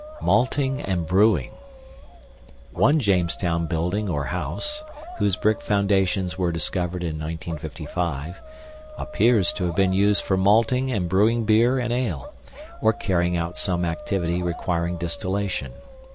MALTING AND BREWING One Jamestown building or house (whose brick foundations were discovered in 1955) appears to have been used for malting and brewing beer and ale, or carrying out some activity requiring distillation.